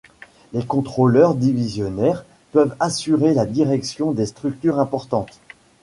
Les contrôleurs divisionnaires peuvent assurer la direction des structures importantes.